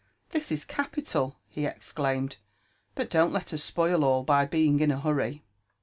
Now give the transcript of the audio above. '• This is capital I" he exclaimed ;" but don't let us spoil all by being in a hurry."